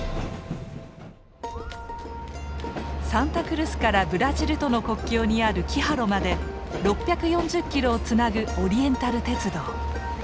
サンタクルスからブラジルとの国境にあるキハロまで６４０キロをつなぐオリエンタル鉄道。